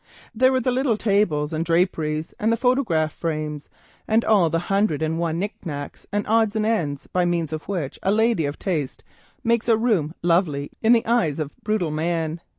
There were the little tables, the draperies, the photograph frames, and all the hundred and one knick knacks and odds and ends by means of which a lady of taste makes a chamber lovely in the eyes of brutal man.